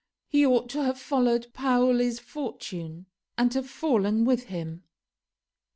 He ought to have followed Paoli's fortune, and have fallen with him."